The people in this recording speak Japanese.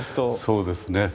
そうですね。